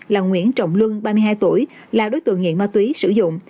là nguyễn trọng luân ba mươi hai tuổi là đối tượng nghiện ma túy sử dụng